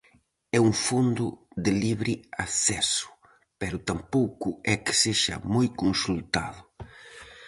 É un fondo de libre acceso, pero tampouco é que sexa moi consultado.